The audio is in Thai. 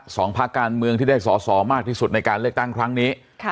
ภาคการเมืองที่ได้สอสอมากที่สุดในการเลือกตั้งครั้งนี้ค่ะ